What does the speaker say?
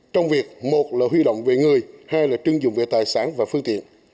trong việc một là huy động về người hai là chưng dụng về tài sản và phương tiện